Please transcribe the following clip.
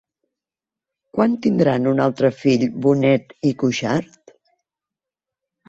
Quan tindran un altre fill Bonet i Cuixart?